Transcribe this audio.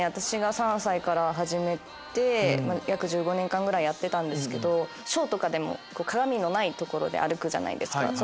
私が３歳から始めて約１５年間ぐらいやってたんですけどショーとかでも鏡のない所で歩くじゃないですか。